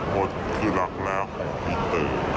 มดคือรักแรกของพี่เต๋อนะคะ